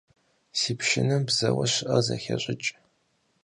Си пшынэм бзэуэ щыӀэр зэхещӀыкӀ.